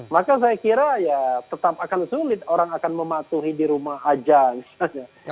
maka saya kira ya tetap akan sulit orang akan mematuhi dirumah saja